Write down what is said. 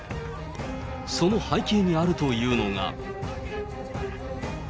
その背景にあるというのが。